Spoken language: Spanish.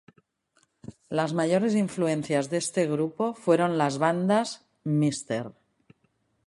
Las mayores influencias de este grupo fueron las bandas: "Mr.